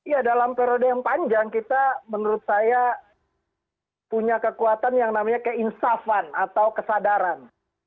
ya dalam periode yang panjang kita menurut saya punya kekuatan yang namanya keinsafan atau kesadaran